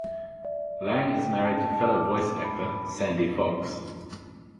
Lang is married to fellow voice actor Sandy Fox.